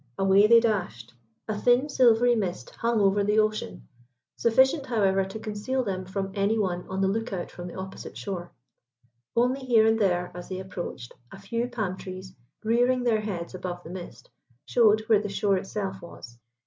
Away they dashed. A thin silvery mist hung over the ocean; sufficient, however, to conceal them from any one on the lookout on the opposite shore. Only here and there, as they approached, a few palm trees, rearing their heads above the mist, showed where the shore itself was.